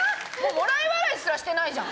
もらい笑いすらしてないじゃん！